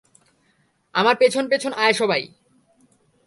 আমার পেছন পেছন আয় সবাই।